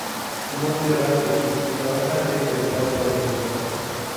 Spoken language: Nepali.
मध्य रात देखि लगातार देशभरि पानी परिरहेको छ ।